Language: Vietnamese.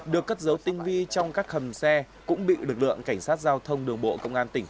được cất dấu tinh vi trong các hầm xe cũng bị lực lượng cảnh sát giao thông đường bộ công an tỉnh